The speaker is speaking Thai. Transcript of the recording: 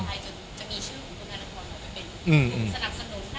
ทุกการชูทุกการเพิ่มทุกการศิกษา